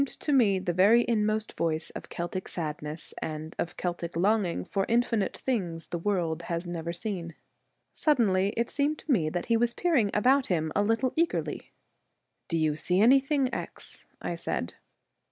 15 (; The very inmost voice of Celtic sadness, and of Celtic ..'— T ." Twilight. Celtic longing for infinite things the world has never seen. Suddenly it seemed to me that he was peering about him a little eagerly. ' Do you see anything, X ?! I said.